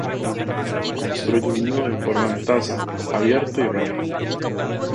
Construye el nido en forma de taza, abierto y ralo.